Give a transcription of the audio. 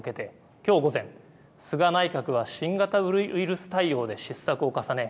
きょう午前、菅内閣は新型ウイルス対応で失策を重ね